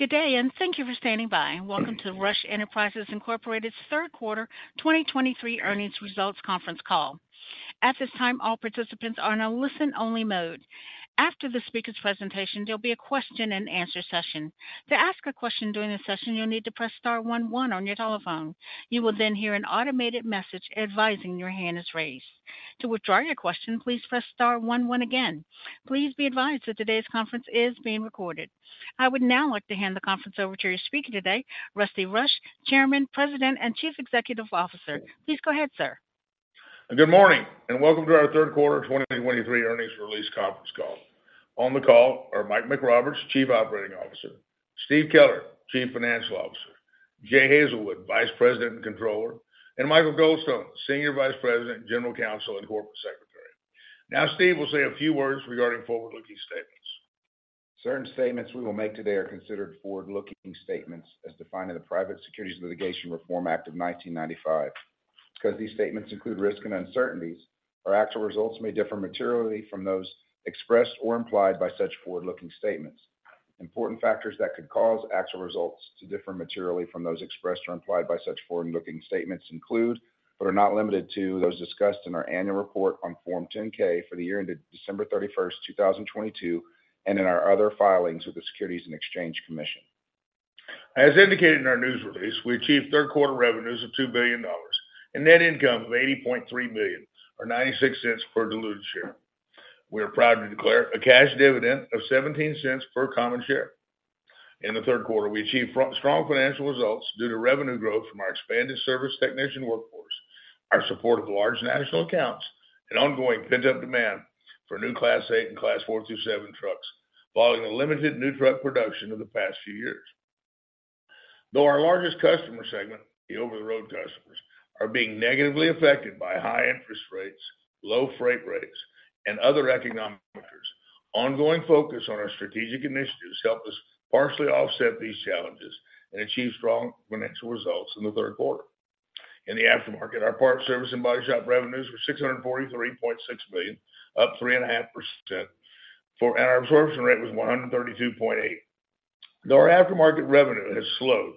Good day, and thank you for standing by. Welcome to Rush Enterprises Incorporated's third quarter 2023 earnings results conference call. At this time, all participants are in a listen-only mode. After the speaker's presentation, there'll be a question-and-answer session. To ask a question during the session, you'll need to press star one one on your telephone. You will then hear an automated message advising your hand is raised. To withdraw your question, please press star one one again. Please be advised that today's conference is being recorded. I would now like to hand the conference over to your speaker today, Rusty Rush, Chairman, President, and Chief Executive Officer. Please go ahead, sir. Good morning, and welcome to our third quarter 2023 earnings release conference call. On the call are Mike McRoberts, Chief Operating Officer, Steve Keller, Chief Financial Officer, Jay Hazelwood, Vice President and Controller, and Michael Goldstone, Senior Vice President, General Counsel, and Corporate Secretary. Now, Steve will say a few words regarding forward-looking statements. Certain statements we will make today are considered forward-looking statements as defined in the Private Securities Litigation Reform Act of 1995. Because these statements include risks and uncertainties, our actual results may differ materially from those expressed or implied by such forward-looking statements. Important factors that could cause actual results to differ materially from those expressed or implied by such forward-looking statements include, but are not limited to, those discussed in our annual report on Form 10-K for the year ended December 31st, 2022, and in our other filings with the Securities and Exchange Commission. As indicated in our news release, we achieved third quarter revenues of $2 billion and net income of $80.3 million, or $0.96 per diluted share. We are proud to declare a cash dividend of $0.17 per common share. In the third quarter, we achieved strong financial results due to revenue growth from our expanded service technician workforce, our support of large national accounts, and ongoing pent-up demand for new Class 8 and Class 4–7 trucks, following the limited new truck production of the past few years. Though our largest customer segment, the over-the-road customers, are being negatively affected by high interest rates, low freight rates, and other economic factors, ongoing focus on our strategic initiatives help us partially offset these challenges and achieve strong financial results in the third quarter. In the aftermarket, our parts, service, and body shop revenues were $643.6 million, up 3.5%, and our absorption rate was 132.8%. Though our aftermarket revenue has slowed,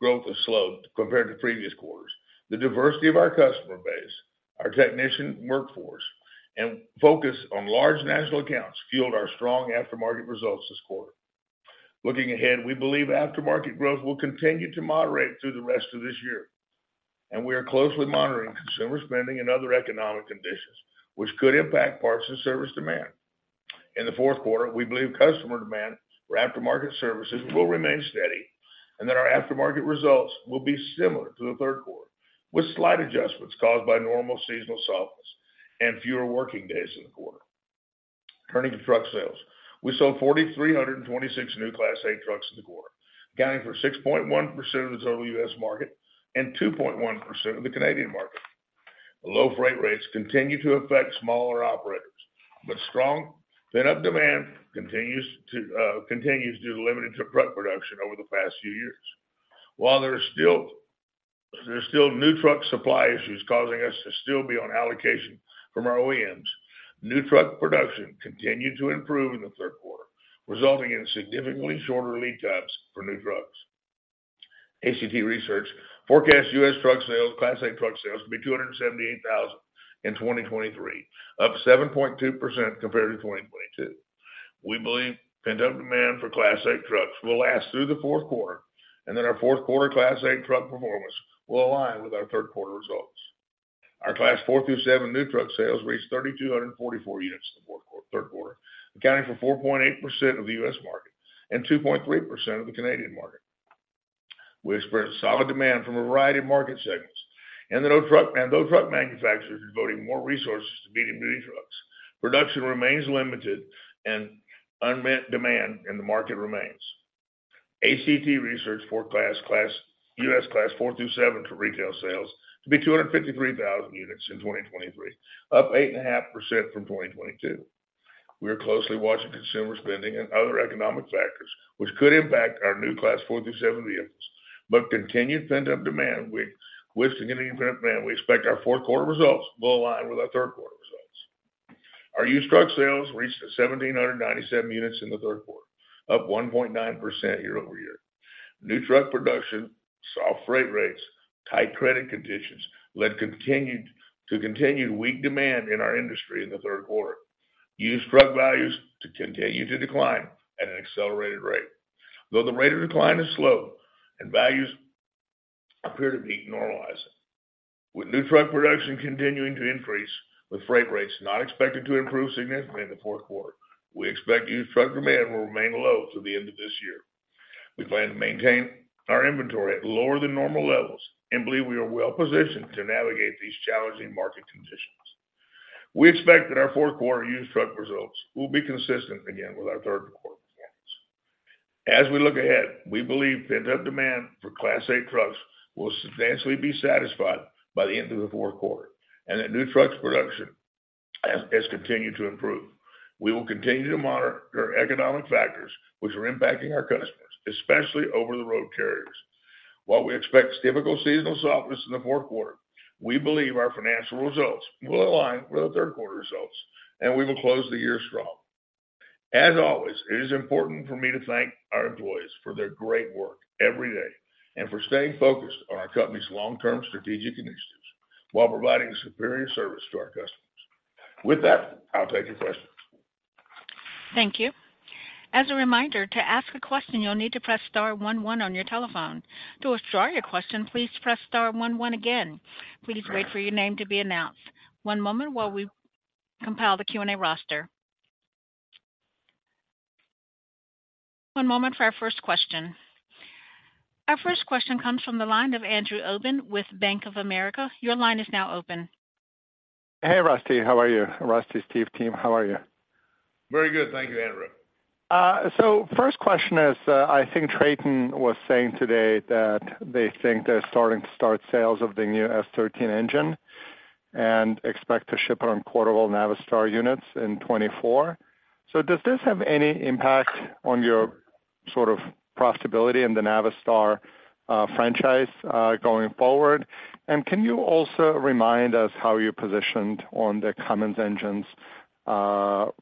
growth has slowed compared to previous quarters, the diversity of our customer base, our technician workforce, and focus on large national accounts fueled our strong aftermarket results this quarter. Looking ahead, we believe aftermarket growth will continue to moderate through the rest of this year, and we are closely monitoring consumer spending and other economic conditions, which could impact parts and service demand. In the fourth quarter, we believe customer demand for aftermarket services will remain steady and that our aftermarket results will be similar to the third quarter, with slight adjustments caused by normal seasonal softness and fewer working days in the quarter. Turning to truck sales, we sold 4,326 new Class 8 trucks in the quarter, accounting for 6.1% of the total U.S. market and 2.1% of the Canadian market. Low freight rates continue to affect smaller operators, but strong pent-up demand continues to continues due to limited truck production over the past few years. While there are still new truck supply issues causing us to still be on allocation from our OEMs, new truck production continued to improve in the third quarter, resulting in significantly shorter lead times for new trucks. ACT Research forecasts U.S. truck sales, Class 8 truck sales, to be 278,000 in 2023, up 7.2% compared to 2022. We believe pent-up demand for Class 8 trucks will last through the fourth quarter, and that our fourth quarter Class 8 truck performance will align with our third quarter results. Our Class 4–7 new truck sales reached 3,244 units in the fourth quarter, third quarter, accounting for 4.8% of the U.S. market and 2.3% of the Canadian market. We experienced solid demand from a variety of market segments, and though truck manufacturers are devoting more resources to meeting new trucks, production remains limited and unmet demand in the market remains. ACT Research forecasts U.S. Class 4–7 retail sales to be 253,000 units in 2023, up 8.5% from 2022. We are closely watching consumer spending and other economic factors, which could impact our new Class 4–7 vehicles, but continued pent-up demand, we expect our fourth quarter results will align with our third quarter results. Our used truck sales reached 1,797 units in the third quarter, up 1.9% year-over-year. New truck production, soft freight rates, tight credit conditions led to continued weak demand in our industry in the third quarter. Used truck values to continue to decline at an accelerated rate, though the rate of decline is slow and values appear to be normalizing. With new truck production continuing to increase, with freight rates not expected to improve significantly in the fourth quarter, we expect used truck demand will remain low through the end of this year. We plan to maintain our inventory at lower than normal levels and believe we are well positioned to navigate these challenging market conditions. We expect that our fourth quarter used truck results will be consistent again with our third quarter performance. As we look ahead, we believe pent-up demand for Class 8 trucks will substantially be satisfied by the end of the fourth quarter and that new trucks production has continued to improve. We will continue to monitor economic factors which are impacting our customers, especially over-the-road carriers. While we expect typical seasonal softness in the fourth quarter, we believe our financial results will align with our third quarter results, and we will close the year strong. As always, it is important for me to thank our employees for their great work every day, and for staying focused on our company's long-term strategic initiatives while providing superior service to our customers. With that, I'll take your questions. Thank you. As a reminder, to ask a question, you'll need to press star one one on your telephone. To withdraw your question, please press star one one again. Please wait for your name to be announced. One moment while we compile the Q&A roster. One moment for our first question. Our first question comes from the line of Andrew Obin with Bank of America. Your line is now open. Hey, Rusty, how are you? Rusty, Steve team, how are you? Very good. Thank you, Andrew. So first question is, I think TRATON was saying today that they think they're starting to start sales of the new S13 engine and expect to ship around 40,000 Navistar units in 2024. So does this have any impact on your sort of profitability in the Navistar franchise going forward? And can you also remind us how you're positioned on the Cummins engines, you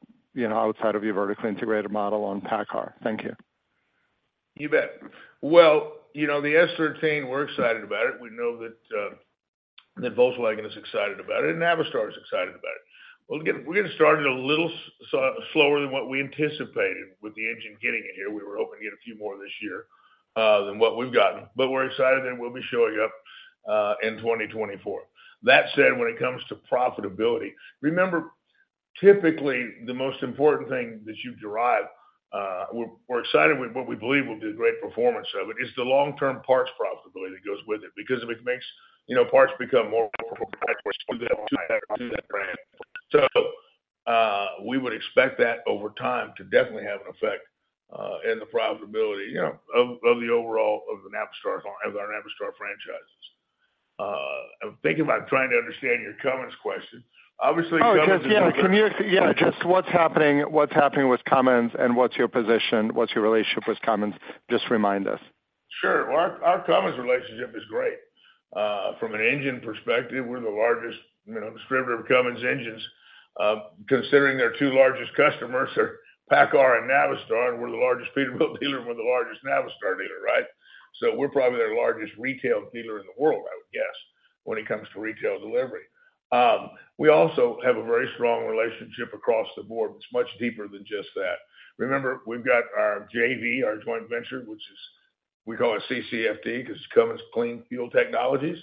know, outside of your vertically integrated model on PACCAR? Thank you. You bet. Well, you know, the S13, we're excited about it. We know that that Volkswagen is excited about it, and Navistar is excited about it. Well, again, we're getting started a little slower than what we anticipated with the engine getting in here. We were hoping to get a few more this year than what we've gotten, but we're excited and we'll be showing up in 2024. That said, when it comes to profitability, remember, typically, the most important thing that you derive, we're excited with what we believe will be a great performance of it, is the long-term parts profitability that goes with it, because if it makes, you know, parts become more profitable to that brand. So, we would expect that over time to definitely have an effect in the profitability, you know, of, of the overall of the Navistar, of our Navistar franchises. I'm thinking about trying to understand your Cummins question. Obviously, Cummins. Oh, yes, yeah, just what's happening, what's happening with Cummins and what's your position, what's your relationship with Cummins? Just remind us. Sure. Well, our Cummins relationship is great. From an engine perspective, we're the largest, you know, distributor of Cummins engines, considering their two largest customers are PACCAR and Navistar, and we're the largest Peterbilt dealer, and we're the largest Navistar dealer, right? So we're probably their largest retail dealer in the world, I would guess, when it comes to retail delivery. We also have a very strong relationship across the board. It's much deeper than just that. Remember, we've got our JV, our joint venture, which is, we call it CCFT, because it's Cummins Clean Fuel Technologies,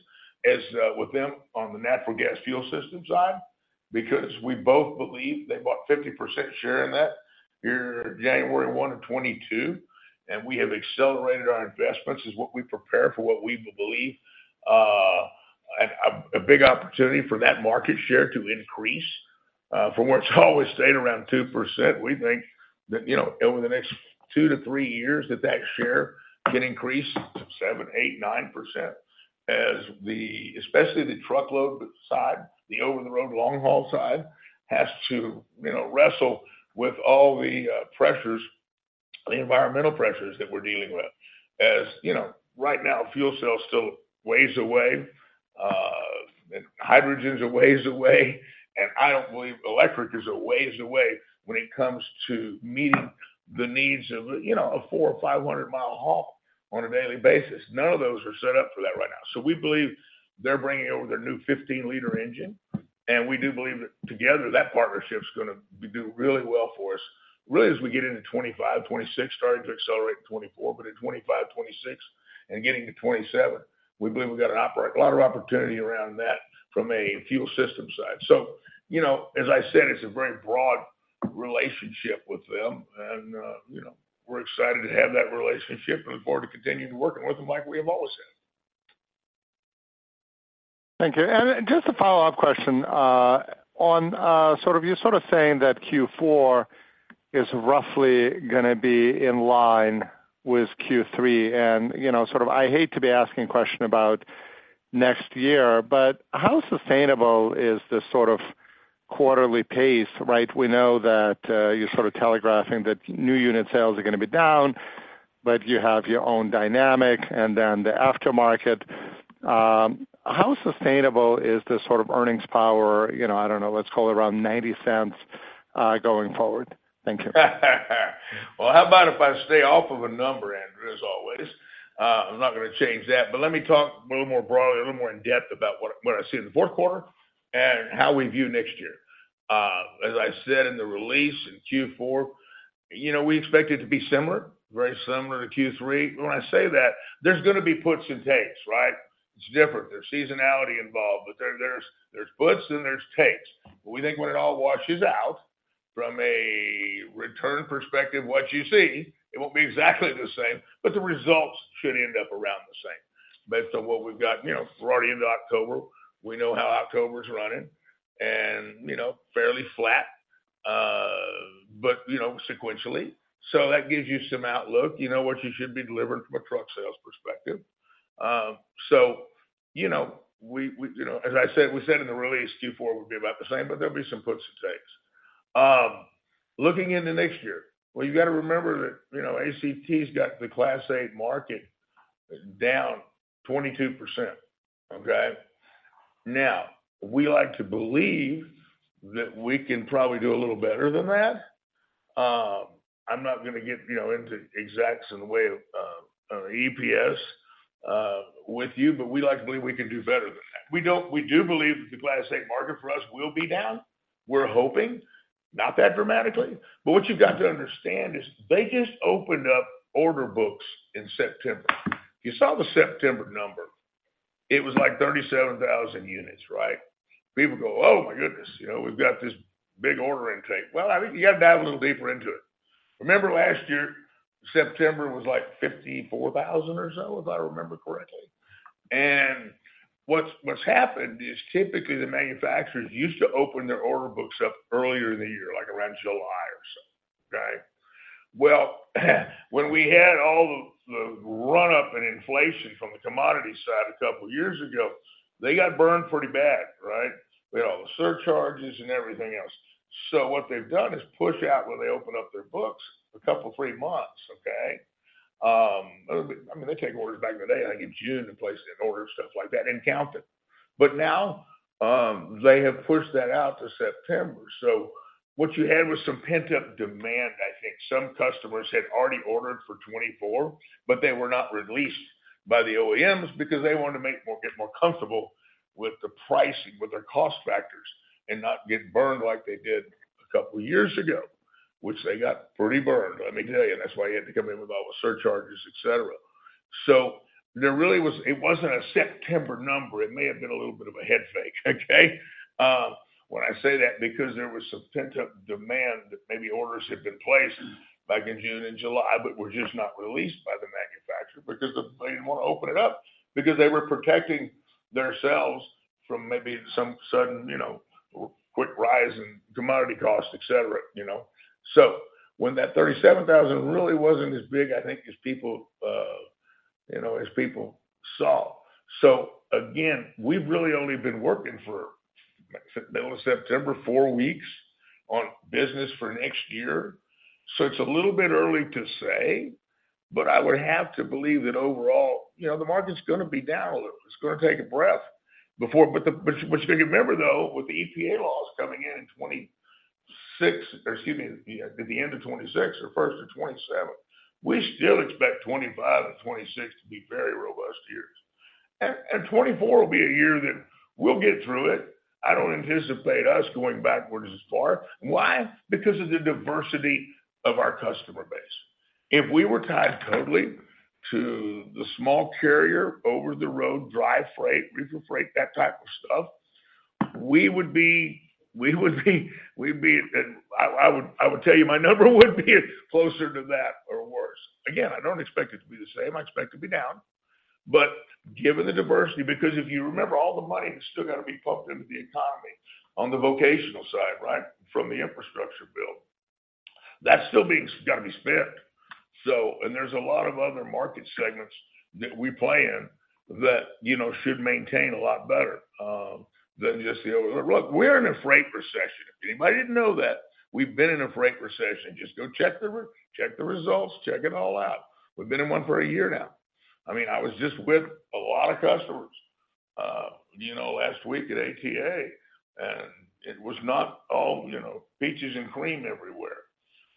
as, with them on the natural gas fuel system side, because we both believe they bought 50% share in that year, January 1, 2022, and we have accelerated our investments as what we prepare for what we believe, a big opportunity for that market share to increase, from what's always stayed around 2%. We think that, you know, over the next 2 years-3 years, that that share can increase 7%-9% as the especially the truckload side, the over-the-road long-haul side, has to, you know, wrestle with all the, pressures, the environmental pressures that we're dealing with. As you know, right now, fuel cells still ways away, and hydrogen is a ways away, and I don't believe electric is a ways away when it comes to meeting the needs of, you know, a 400-mile or 500-mile haul on a daily basis. None of those are set up for that right now. So we believe they're bringing over their new 15-liter engine, and we do believe that together, that partnership is gonna do really well for us. Really, as we get into 2025, 2026, starting to accelerate in 2024, but in 2025, 2026 and getting to 2027, we believe we've got a lot of opportunity around that from a fuel system side. You know, as I said, it's a very broad relationship with them, and, you know, we're excited to have that relationship and look forward to continuing to working with them like we have always had. Thank you. And just a follow-up question on sort of you're sort of saying that Q4 is roughly gonna be in line with Q3, and, you know, sort of I hate to be asking a question about next year, but how sustainable is this sort of quarterly pace, right? We know that you're sort of telegraphing that new unit sales are gonna be down, but you have your own dynamic and then the aftermarket. How sustainable is this sort of earnings power? You know, I don't know, let's call it around $0.90 going forward. Thank you. Well, how about if I stay off of a number, Andrew, as always? I'm not gonna change that, but let me talk a little more broadly, a little more in-depth about what I see in the fourth quarter and how we view next year. As I said in the release, in Q4, you know, we expect it to be similar, very similar to Q3. When I say that, there's gonna be puts and takes, right? It's different. There's seasonality involved, but there, there's puts and there's takes. We think when it all washes out from a return perspective, what you see, it won't be exactly the same, but the results should end up around the same. Based on what we've got, you know, we're already into October. We know how October is running and, you know, fairly flat, but, you know, sequentially. So that gives you some outlook. You know what you should be delivering from a truck sales perspective. So, you know, we, we, you know, as I said, we said in the release, Q4 would be about the same, but there'll be some puts and takes. Looking into next year, well, you got to remember that, you know, ACT's got the Class 8 market down 22%. Okay? Now, we like to believe that we can probably do a little better than that. I'm not going to get, you know, into exacts in the way of EPS with you, but we like to believe we can do better than that. We don't-- We do believe that the Class 8 market for us will be down. We're hoping not that dramatically, but what you've got to understand is they just opened up order books in September. You saw the September number, it was like 37,000 units, right? People go, "Oh, my goodness! You know, we've got this big order intake." Well, I think you got to dive a little deeper into it. Remember last year, September was like 54,000 or so, if I remember correctly. And what's happened is typically the manufacturers used to open their order books up earlier in the year, like around July or so. Okay? Well, when we had all the run-up in inflation from the commodity side a couple of years ago, they got burned pretty bad, right? With all the surcharges and everything else. So what they've done is push out when they open up their books a couple, three months, okay? I mean, they take orders back in the day, I think June, and place an order, stuff like that, and count it. But now, they have pushed that out to September. So what you had was some pent-up demand. I think some customers had already ordered for 2024, but they were not released by the OEMs because they wanted to get more comfortable with the pricing, with their cost factors, and not get burned like they did a couple of years ago, which they got pretty burned, let me tell you. That's why you had to come in with all the surcharges, etc. So there really was it wasn't a September number. It may have been a little bit of a head fake, okay? When I say that, because there was some pent-up demand, that maybe orders had been placed back in June and July, but were just not released by the manufacturer because they didn't want to open it up, because they were protecting themselves from maybe some sudden, you know, quick rise in commodity costs, etc., you know. So when that 37,000 really wasn't as big, I think, as people, you know, as people saw. So again, we've really only been working for middle of September, four weeks on business for next year. So it's a little bit early to say, but I would have to believe that overall, you know, the market is going to be down a little. It's going to take a breath before. But, but you got to remember, though, with the EPA laws coming in in 2026, or excuse me, at the end of 2026 or first of 2027, we still expect 2025 and 2026 to be very robust years. And 2024 will be a year that we'll get through it. I don't anticipate us going backwards as far. Why? Because of the diversity of our customer base. If we were tied totally to the small carrier over the road, dry freight, reefer freight, that type of stuff, we would be, and I would tell you my number would be closer to that or worse. Again, I don't expect it to be the same. I expect it to be down. But given the diversity, because if you remember, all the money that's still got to be pumped into the economy on the vocational side, right, from the infrastructure build, that's still got to be spent. So, and there's a lot of other market segments that we play in that, you know, should maintain a lot better than just, you know look, we're in a freight recession. If anybody didn't know that, we've been in a freight recession, just go check the results, check it all out. We've been in one for a year now. I mean, I was just with a lot of customers, you know, last week at ATA, and it was not all, you know, peaches and cream everywhere.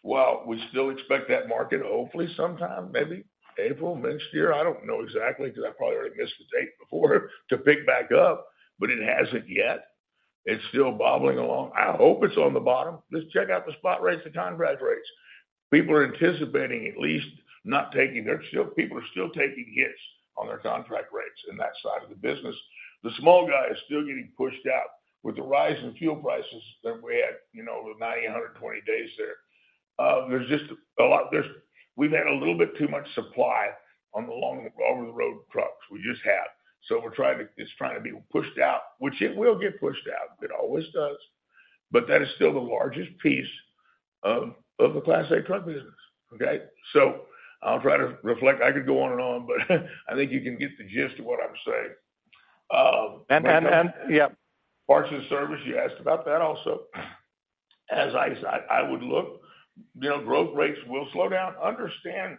Well, we still expect that market, hopefully sometime, maybe April next year, I don't know exactly, because I probably already missed the date before, to pick back up, but it hasn't yet. It's still bobbing along. I hope it's on the bottom. Just check out the spot rates, the contract rates. People are anticipating at least not taking they're still people are still taking hits on their contract rates in that side of the business. The small guy is still getting pushed out with the rise in fuel prices that we had, you know, the 90, 100, and 120 days there. There's just a lot we've had a little bit too much supply on the long, over-the-road trucks. We just have. So we're trying to it's trying to be pushed out, which it will get pushed out. It always does. But that is still the largest piece of, of the Class 8 truck business, okay? So I'll try to reflect. I could go on and on, but I think you can get the gist of what I'm saying. Yep. Parts and service, you asked about that also. As I said, I would look, you know, growth rates will slow down. Understand,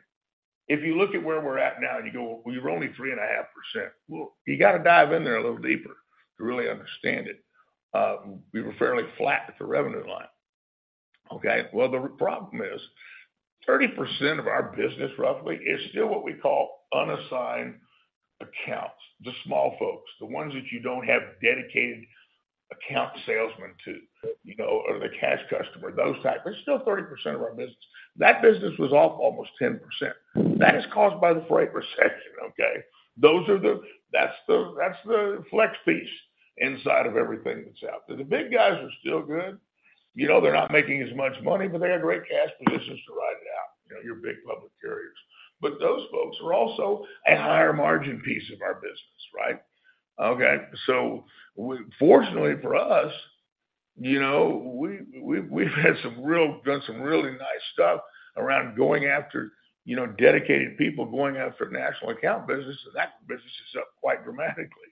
if you look at where we're at now, and you go, "Well, we're only 3.5%." Well, you got to dive in there a little deeper to really understand it. We were fairly flat at the revenue line. Okay, well, the problem is, 30% of our business, roughly, is still what we call unassigned accounts, the small folks, the ones that you don't have dedicated account salesmen to, you know, or the cash customer, those types. There's still 30% of our business. That business was off almost 10%. That is caused by the freight recession, okay? Those are the that's the flex piece inside of everything that's out there. The big guys are still good. You know, they're not making as much money, but they have great cash positions to ride it out, you know, your big public carriers. But those folks are also a higher margin piece of our business, right? Okay, so fortunately for us. You know, we've done some really nice stuff around going after, you know, dedicated people, going after national account business. So that business is up quite dramatically.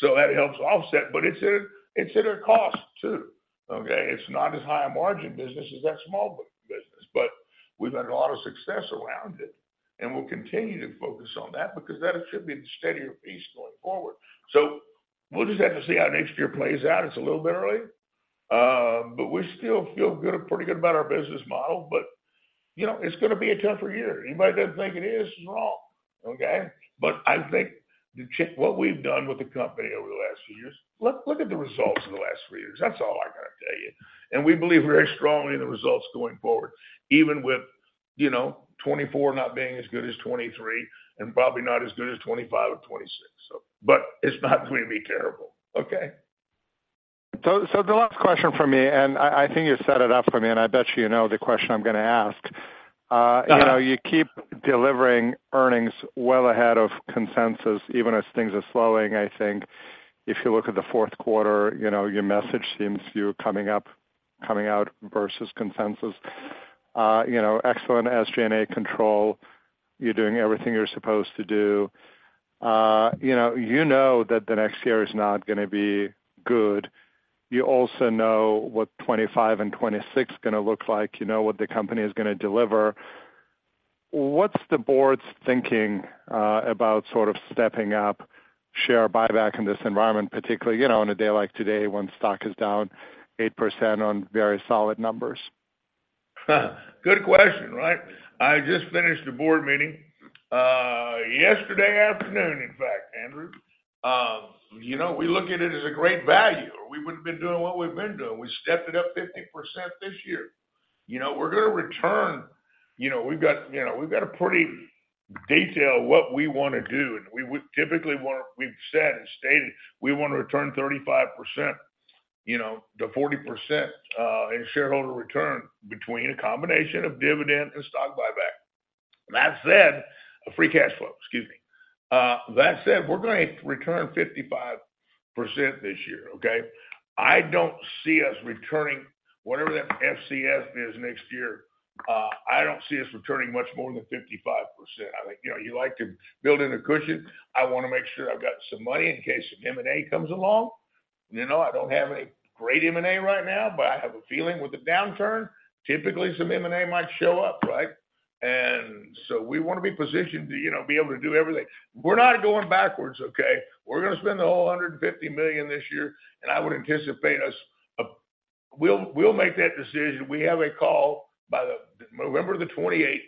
So that helps offset, but it's at a cost, too, okay? It's not as high a margin business as that small business, but we've had a lot of success around it, and we'll continue to focus on that because that should be the steadier piece going forward. So we'll just have to see how next year plays out. It's a little bit early, but we still feel good, pretty good about our business model. But, you know, it's gonna be a tougher year. Anybody that think it is, is wrong, okay? But I think to check what we've done with the company over the last few years, look at the results of the last few years. That's all I gotta tell you. And we believe very strongly in the results going forward, even with, you know, 2024 not being as good as 2023 and probably not as good as 2025 or 2026, so. But it's not going to be terrible, okay? So, the last question from me, and I think you set it up for me, and I bet you know the question I'm gonna ask. Uh-huh. You know, you keep delivering earnings well ahead of consensus, even as things are slowing. I think if you look at the fourth quarter, you know, your message seems you're coming up, coming out versus consensus. You know, excellent SG&A control. You're doing everything you're supposed to do. You know, you know that the next year is not gonna be good. You also know what 2025 and 2026 gonna look like. You know what the company is gonna deliver. What's the board's thinking about sort of stepping up share buyback in this environment, particularly, you know, on a day like today, when stock is down 8% on very solid numbers? Good question, right? I just finished a board meeting yesterday afternoon, in fact, Andrew. You know, we look at it as a great value, or we wouldn't have been doing what we've been doing. We stepped it up 50% this year. You know, we're gonna return you know, we've got, you know, we've got a pretty detailed of what we wanna do, and we would typically want we've said and stated we wanna return 35%-40%, you know, in shareholder return between a combination of dividend and stock buyback. That said, a free cash flow, excuse me. That said, we're gonna return 55% this year, okay? I don't see us returning, whatever that FCF is next year, I don't see us returning much more than 55%. I think, you know, you like to build in a cushion. I wanna make sure I've got some money in case an M&A comes along. You know, I don't have a great M&A right now, but I have a feeling with the downturn, typically, some M&A might show up, right? And so we wanna be positioned to, you know, be able to do everything. We're not going backwards, okay? We're gonna spend the whole $150 million this year, and I would anticipate us, we'll, we'll make that decision. We have a call by November 28th,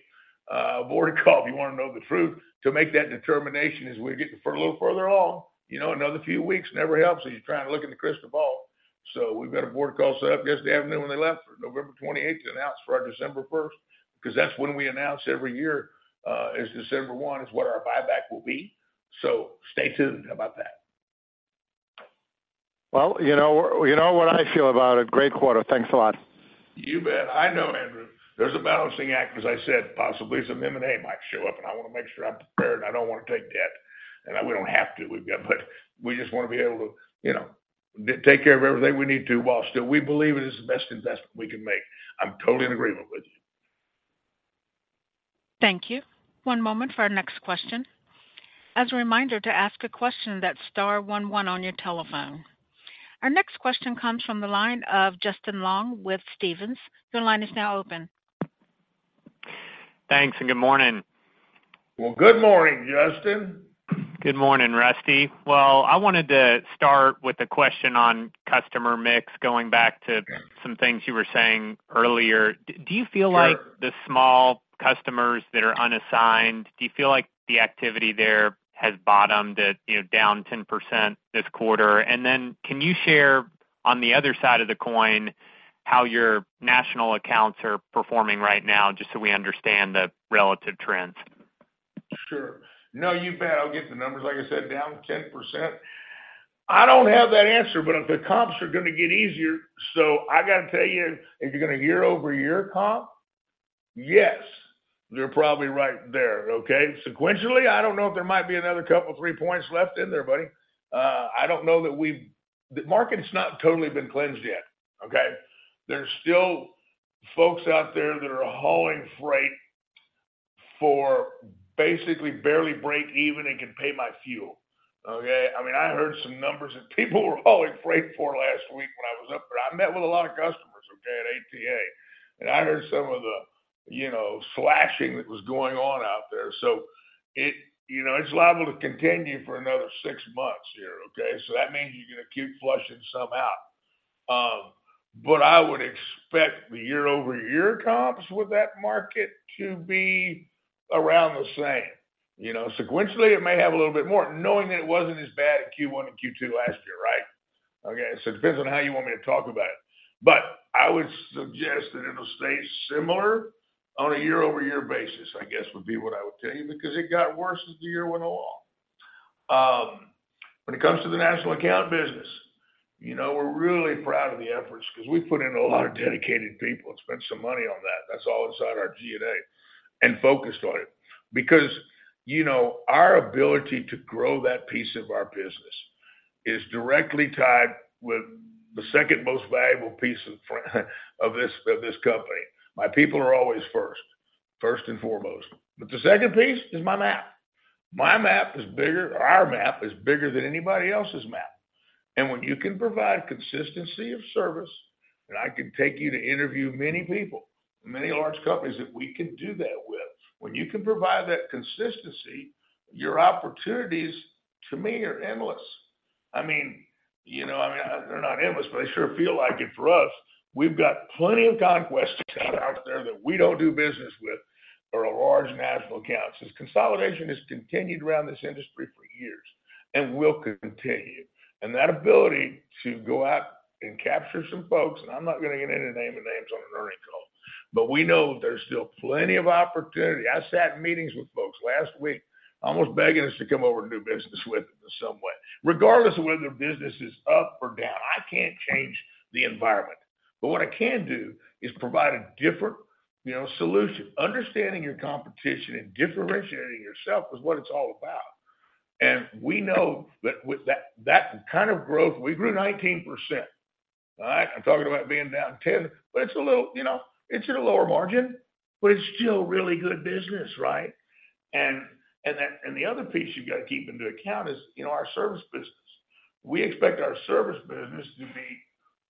a board call, if you wanna know the truth, to make that determination as we're getting a little further along. You know, another few weeks never helps, and you're trying to look in the crystal ball. So we've got a board call set up yesterday afternoon when they left for November 28th to announce for our December 1st, because that's when we announce every year, is December 1, is what our buyback will be. So stay tuned about that. Well, you know, you know what I feel about it. Great quarter. Thanks a lot. You bet. I know, Andrew. There's a balancing act, as I said. Possibly some M&A might show up, and I wanna make sure I'm prepared, and I don't wanna take debt. And we don't have to, we've got but we just wanna be able to, you know, take care of everything we need to, while still we believe it is the best investment we can make. I'm totally in agreement with you. Thank you. One moment for our next question. As a reminder, to ask a question, that's star one one on your telephone. Our next question comes from the line of Justin Long with Stephens. Your line is now open. Thanks, and good morning. Well, good morning, Justin. Good morning, Rusty. Well, I wanted to start with a question on customer mix, going back to- Okay. some things you were saying earlier. Do you feel like. Sure. The small customers that are unassigned, do you feel like the activity there has bottomed at, you know, down 10% this quarter? And then can you share, on the other side of the coin, how your national accounts are performing right now, just so we understand the relative trends? Sure. No, you bet. I'll get the numbers, like I said, down 10%. I don't have that answer, but if the comps are gonna get easier. So I gotta tell you, if you're gonna year-over-year comp, yes, they're probably right there, okay? Sequentially, I don't know if there might be another couple, three points left in there, buddy. I don't know that we've the market's not totally been cleansed yet, okay? There's still folks out there that are hauling freight for basically barely break even and can pay my fuel, okay? I mean, I heard some numbers that people were hauling freight for last week when I was up there. I met with a lot of customers, okay, at ATA, and I heard some of the, you know, slashing that was going on out there. So it you know, it's liable to continue for another six months here, okay? So that means you're gonna keep flushing some out. But I would expect the year-over-year comps with that market to be around the same. You know, sequentially, it may have a little bit more, knowing that it wasn't as bad in Q1 and Q2 last year, right? Okay, so it depends on how you want me to talk about it. But I would suggest that it'll stay similar on a year-over-year basis, I guess, would be what I would tell you, because it got worse as the year went along. When it comes to the national account business, you know, we're really proud of the efforts because we put in a lot of dedicated people and spent some money on that. That's all inside our G&A, and focused on it because, you know, our ability to grow that piece of our business is directly tied with the second most valuable piece of of this, of this company. My people are always first, first and foremost, but the second piece is my map. My map is bigger our map is bigger than anybody else's map. And when you can provide consistency of service, and I can take you to interview many people, many large companies that we can do that with. When you can provide that consistency, your opportunities, to me, are endless. I mean, you know, I mean, they're not endless, but they sure feel like it for us. We've got plenty of conquests out there that we don't do business with, or a large national account. So consolidation has continued around this industry for years and will continue. That ability to go out and capture some folks, and I'm not going to get into naming names on an earnings call, but we know there's still plenty of opportunity. I sat in meetings with folks last week, almost begging us to come over and do business with in some way. Regardless of whether their business is up or down, I can't change the environment, but what I can do is provide a different, you know, solution. Understanding your competition and differentiating yourself is what it's all about. And we know that with that, that kind of growth, we grew 19%. All right? I'm talking about being down 10%, but it's a little, you know, it's at a lower margin, but it's still really good business, right? And, and then, and the other piece you've got to keep into account is, you know, our service business. We expect our service business to be,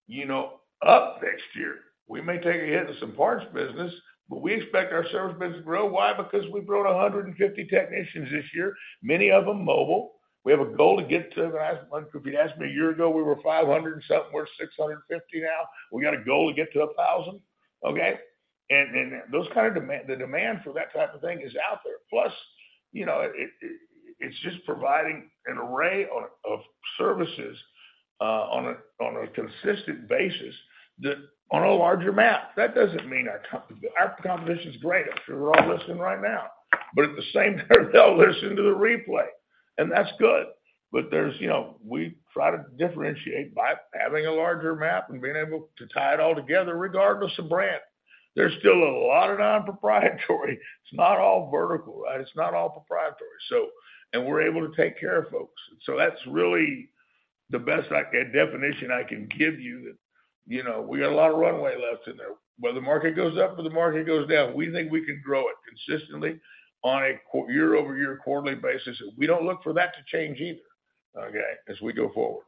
you know, up next year. We may take a hit to some parts business, but we expect our service business to grow. Why? Because we brought 150 technicians this year, many of them mobile. We have a goal to get to. If you'd asked me a year ago, we were 500 and something, we're 650 now. We got a goal to get to 1,000, okay? And the demand for that type of thing is out there. Plus, you know, it's just providing an array of services on a consistent basis that on a larger map. That doesn't mean our competition is great. I'm sure they're all listening right now, but at the same time, they'll listen to the replay, and that's good. But there's, you know, we try to differentiate by having a larger map and being able to tie it all together, regardless of brand. There's still a lot of non-proprietary. It's not all vertical, and it's not all proprietary, so and we're able to take care of folks. So that's really the best I can, definition I can give you that, you know, we got a lot of runway left in there. Whether the market goes up or the market goes down, we think we can grow it consistently on a year-over-year, quarterly basis. We don't look for that to change either, okay, as we go forward.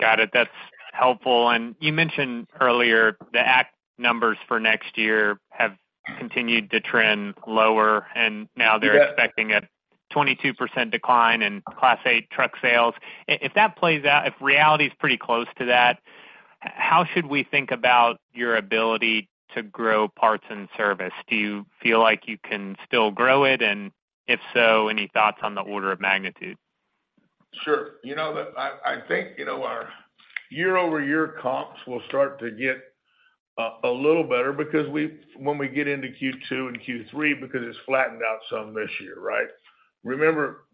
Got it. That's helpful. You mentioned earlier, the ACT numbers for next year have continued to trend lower, and now they're. Yes. Expecting a 22% decline in Class 8 truck sales. If that plays out, if reality is pretty close to that, how should we think about your ability to grow parts and service? Do you feel like you can still grow it? And if so, any thoughts on the order of magnitude? Sure. You know, I think, you know, our year-over-year comps will start to get a little better because when we get into Q2 and Q3, because it's flattened out some this year, right? Remember,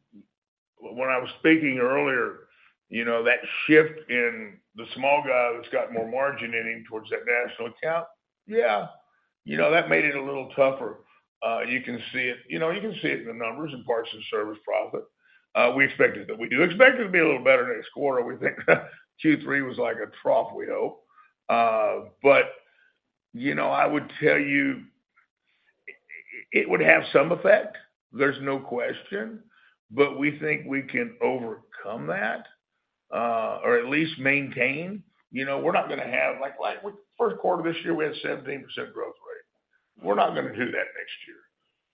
when I was speaking earlier, you know, that shift in the small guy that's got more margin in him towards that national account? Yeah. You know, that made it a little tougher. You can see it, you know, you can see it in the numbers and parts and service profit. We expected that. We do expect it to be a little better next quarter. We think Q3 was like a trough, we hope. But, you know, I would tell you, it would have some effect, there's no question, but we think we can overcome that, or at least maintain. You know, we're not gonna have, like, first quarter this year, we had 17% growth rate. We're not gonna do that next year.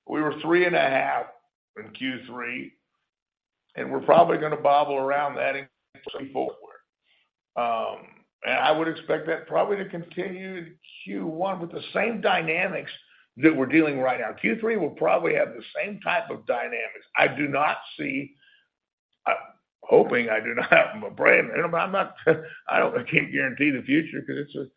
We were 3.5 in Q3, and we're probably gonna bobble around that in Q4. And I would expect that probably to continue Q1 with the same dynamics that we're dealing right now. Q3 will probably have the same type of dynamics. I do not see I'm hoping I do not have them a brand, but I'm not, I don't, I can't guarantee the future because it's,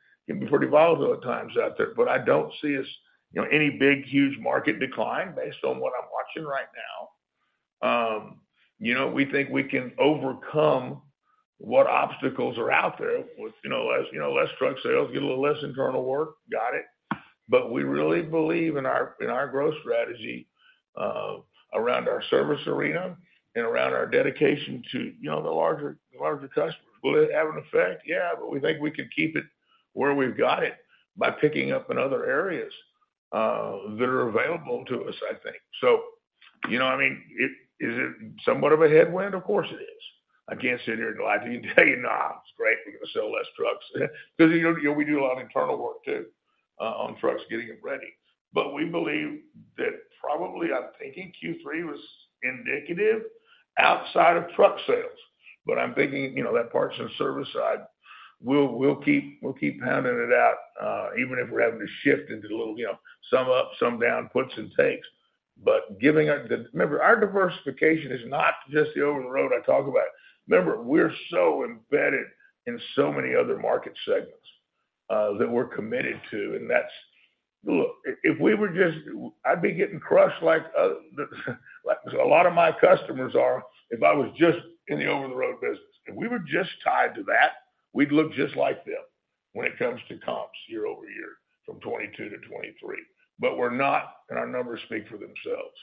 pretty volatile at times out there, but I don't see us, you know, any big, huge market decline based on what I'm watching right now. You know, we think we can overcome what obstacles are out there with, you know, less, you know, less truck sales, get a little less internal work. Got it. But we really believe in our growth strategy around our service arena and around our dedication to, you know, the larger customers. Will it have an effect? Yeah, but we think we can keep it where we've got it by picking up in other areas that are available to us, I think. So, you know, I mean, is it somewhat of a headwind? Of course, it is. I can't sit here and lie to you and tell you, "No, it's great. We're going to sell less trucks." Because, you know, we do a lot of internal work, too, on trucks, getting them ready. But we believe that probably, I'm thinking Q3 was indicative outside of truck sales, but I'm thinking, you know, that parts and service side, we'll, we'll keep, we'll keep pounding it out, even if we're having to shift into a little, you know, some up, some down, puts and takes. But giving up the remember, our diversification is not just the over-the-road I talk about. Remember, we're so embedded in so many other market segments, that we're committed to, and that's look, if, if we were just, I'd be getting crushed like, like a lot of my customers are, if I was just in the over-the-road business. If we were just tied to that, we'd look just like them when it comes to comps year-over-year, from 2022 to 2023. We're not, and our numbers speak for themselves,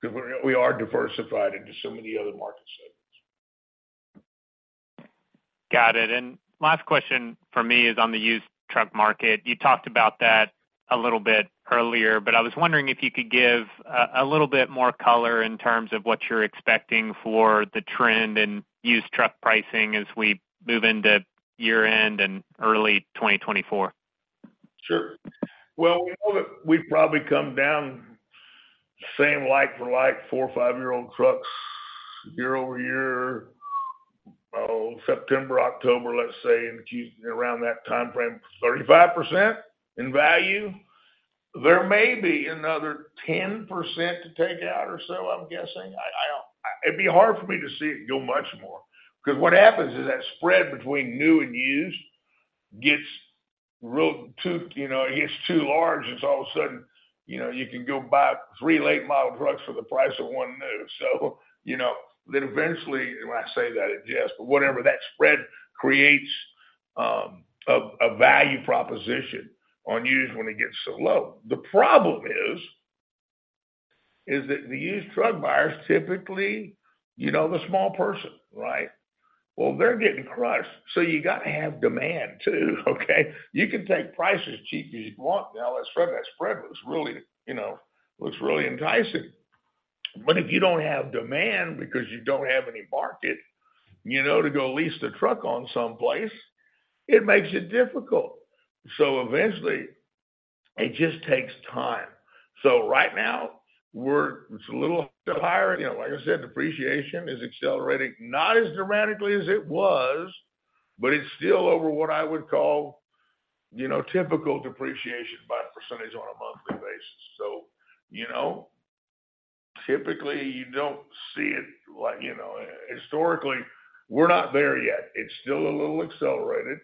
because we, we are diversified into so many other market segments. Got it. Last question from me is on the used truck market. You talked about that a little bit earlier, but I was wondering if you could give a little bit more color in terms of what you're expecting for the trend in used truck pricing as we move into year-end and early 2024. Sure. Well, we know that we've probably come down same like for like four or five-year-old trucks year-over-year, oh, September, October, let's say, and kept around that timeframe, 35% in value. There may be another 10% to take out or so, I'm guessing. I, it'd be hard for me to see it go much more, because what happens is that spread between new and used gets real too, you know, it gets too large, it's all of a sudden, you know, you can go buy three late model trucks for the price of one new. So, you know, then eventually, when I say that, it adjust, but whatever, that spread creates a value proposition on used when it gets so low. The problem is that the used truck buyers, typically, you know, the small person, right? Well, they're getting crushed, so you got to have demand too, okay? You can take prices as cheap as you'd want. Now, that spread, that spread looks really, you know, looks really enticing. But if you don't have demand because you don't have any market, you know, to go lease the truck on someplace, it makes it difficult. So eventually, it just takes time. So right now, it's a little higher. You know, like I said, depreciation is accelerating, not as dramatically as it was, but it's still over what I would call, you know, typical depreciation by percentage on a monthly basis. So, you know, typically, you don't see it like, you know historically, we're not there yet. It's still a little accelerated.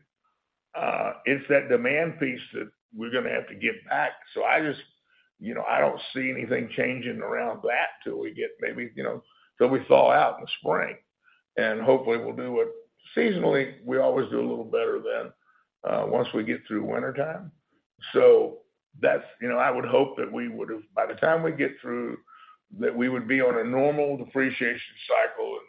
It's that demand piece that we're going to have to give back. So I just, you know, I don't see anything changing around that till we get maybe, you know, till we thaw out in the spring. And hopefully, we'll do what seasonally, we always do a little better than once we get through wintertime. So that's, you know, I would hope that we would have, by the time we get through, that we would be on a normal depreciation cycle in,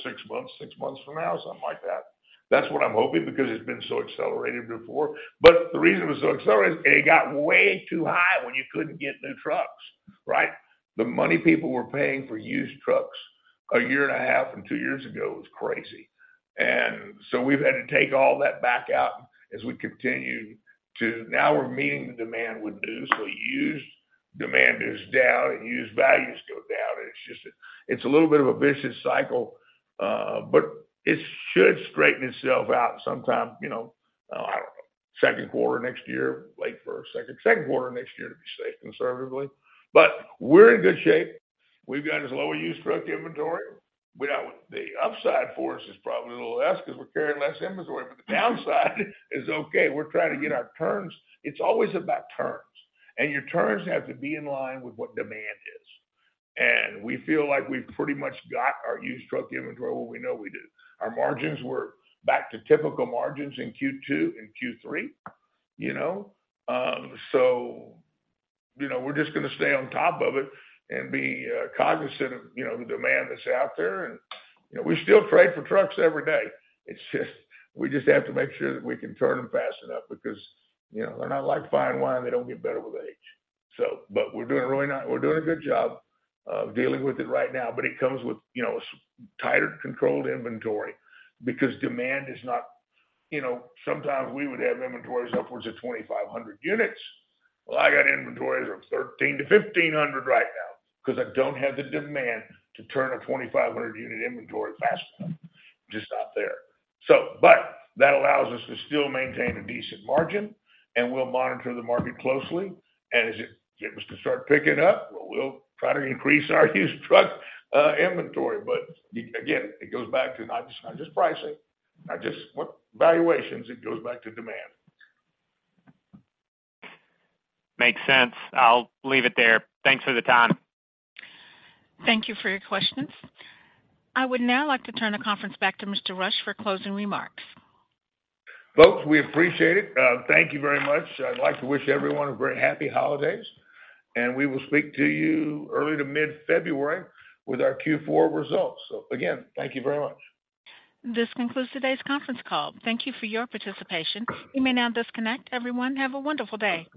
say, 4-6 months, 6 months from now, something like that. That's what I'm hoping because it's been so accelerated before. But the reason it was so accelerated, it got way too high when you couldn't get new trucks, right? The money people were paying for used trucks a year and a half and 2 years ago was crazy. And so we've had to take all that back out as we continue to now we're meeting the demand with new, so used demand is down and used values go down. It's just, it's a little bit of a vicious cycle, but it should straighten itself out sometime, you know, I don't know, second quarter next year, late first, second, second quarter next year, to be safe, conservatively. But we're in good shape. We've got as lower used truck inventory. Without the upside for us is probably a little less because we're carrying less inventory, but the downside is okay. We're trying to get our turns. It's always about turns, and your turns have to be in line with what demand is. And we feel like we've pretty much got our used truck inventory, well, we know we do. Our margins were back to typical margins in Q2 and Q3, you know? So, you know, we're just going to stay on top of it and be cognizant of, you know, the demand that's out there. And, you know, we still trade for trucks every day. It's just, we just have to make sure that we can turn them fast enough because, you know, they're not like fine wine, they don't get better with age. So, but we're doing a good job of dealing with it right now, but it comes with, you know, tighter controlled inventory because demand is not, you know, sometimes we would have inventories upwards of 2,500 units. Well, I got inventories of 1,300-1,500 right now because I don't have the demand to turn a 25-unit inventory faster, just out there. So, but that allows us to still maintain a decent margin, and we'll monitor the market closely. And as it was to start picking up, we'll try to increase our used truck inventory. But again, it goes back to not just pricing, not just what valuations, it goes back to demand. Makes sense. I'll leave it there. Thanks for the time. Thank you for your questions. I would now like to turn the conference back to Mr. Rush for closing remarks. Folks, we appreciate it. Thank you very much. I'd like to wish everyone a very happy holidays, and we will speak to you early to mid-February with our Q4 results. Again, thank you very much. This concludes today's conference call. Thank you for your participation. You may now disconnect. Everyone, have a wonderful day.